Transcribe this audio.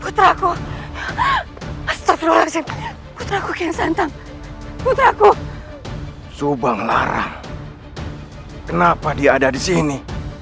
putraku astagfirullahaladzim putraku kensantang putraku subang larang kenapa dia ada di sini